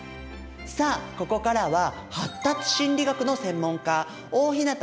さあここからは発達心理学の専門家大日向雅美